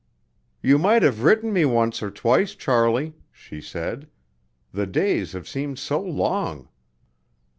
"You might have written me once or twice, Charlie," she said; "the days have seemed so long!"